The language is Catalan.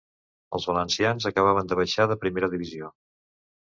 Els valencians acabaven de baixar de primera divisió.